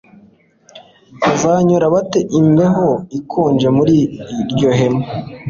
Bazanyura bate imbeho ikonje muri iryo hema